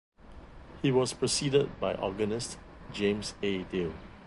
He was preceded by organist James A. Dale.